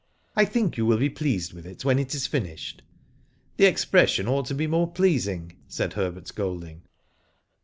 '* I think you will te pleased with it when it is finished/' "The expression ought to be more pleasing,*' said Herbert Golding.